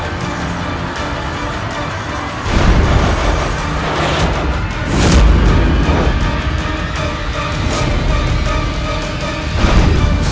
keluarga ku di pesta perjamuan